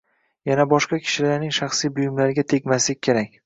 Yana boshqa kishilarning shaxsiy buyumlariga tegmaslik kerak.